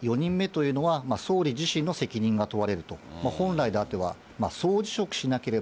内閣改造してから４人目というのは、総理自身の責任が問われると。